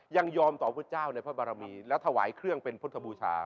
ยังยอมต่อพระเจ้าในพระบารมีและถวายเครื่องเป็นพุทธบูชา